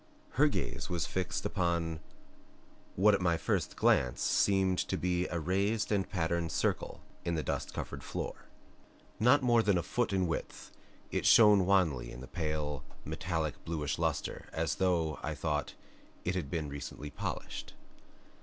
Her gaze was fixed upon what at my first glance seemed to be a raised and patterned circle in the dust covered floor. Not more than a foot in width, it shone wanly with a pale, metallic bluish luster, as though, I thought, it had been recently polished.